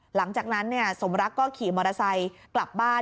หลังจากนั้นสมรักก็ขี่มอเตอร์ไซค์กลับบ้าน